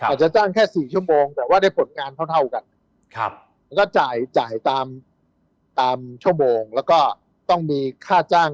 อาจจะจ้างแค่๔ชั่วโมงแต่ว่าได้ผลงานเท่ากัน